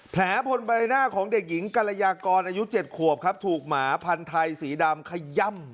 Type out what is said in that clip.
แผลบนใบหน้าของเด็กหญิงกรยากรอายุ๗ขวบครับถูกหมาพันธ์ไทยสีดำขย่ำ